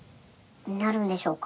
なるんでしょうか。